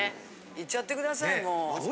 いっちゃって下さいもう。